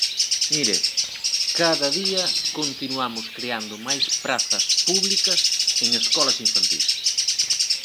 Mire, cada día continuamos creando máis prazas públicas en escolas infantís.